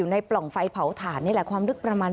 ปล่องไฟเผาถ่านนี่แหละความลึกประมาณ